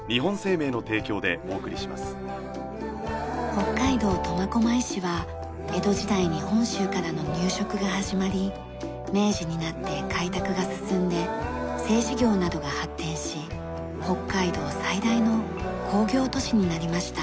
北海道苫小牧市は江戸時代に本州からの入植が始まり明治になって開拓が進んで製紙業などが発展し北海道最大の工業都市になりました。